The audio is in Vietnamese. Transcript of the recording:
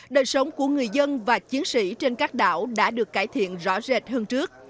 đời sống của người dân và chiến sĩ trên các đảo đã được cải thiện rõ rệt hơn trước